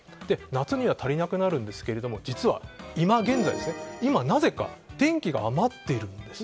夏には足りなくなるんですけれども実は、今現在、なぜか電気が余っているんです。